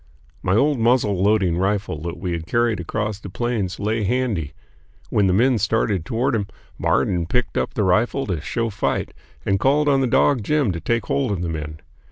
My old muzzle loading rifle that we had carried across the Plains lay handy. When the men started toward him, Marden picked up the rifle to show fight and called on the dog Jim to take hold of the men.